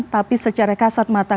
tapi secara kasat mata